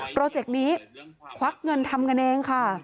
เจกต์นี้ควักเงินทำกันเองค่ะ